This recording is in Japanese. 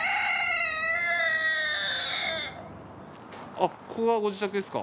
あっここがご自宅ですか。